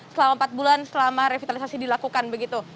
selama empat bulan selama revitalisasi dilakukan begitu